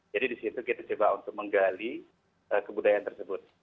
jadi disitu kita coba untuk menggali kebudayaan tersebut